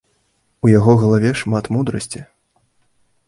У яго галаве шмат мудрасці.